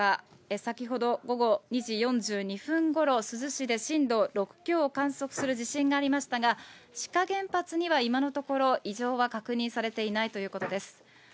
先ほど午後２時４２分ごろ、珠洲市で震度６強を観測する地震がありましたが、志賀原発には今のところ異常は確認されていないということです。